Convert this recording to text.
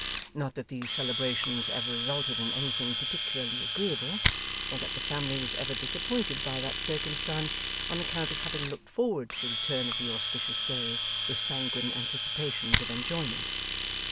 Not that these celebrations ever resulted in anything particularly agreeable, or that the family was ever disappointed by that circumstance on account of having looked forward to the return of the auspicious day with sanguine anticipations of enjoyment.